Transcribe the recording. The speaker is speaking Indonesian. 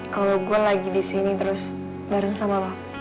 kalo gue lagi disini terus bareng sama lo